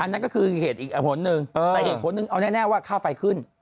นั่นก็คือเหตุอีกเหตุผลหนึ่งแต่เหตุผลหนึ่งเอาแน่ว่าค่าไฟขึ้น